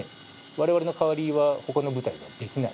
我々の代わりは他の部隊ではできない。